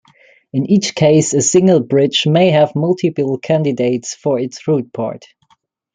In each case, a single bridge may have multiple candidates for its root port.